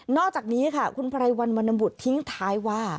อกจากนี้ค่ะคุณไพรวันวรรณบุตรทิ้งท้ายว่า